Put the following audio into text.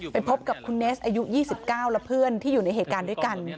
ไปพบกับคุณเนสอายุ๒๙และเพื่อนที่อยู่ในเหตุการณ์ด้วยกัน